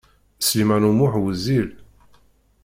Sliman U Muḥ wezzil.